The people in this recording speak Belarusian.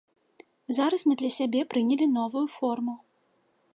Зараз мы для сябе прынялі новую форму.